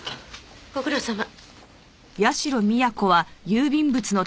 ご苦労さま。